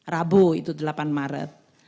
rabu itu delapan maret